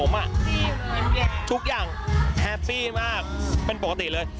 ทุกอย่างเหมือนแย่ทุกอย่างแฮปปี้มากเป็นปกติเลย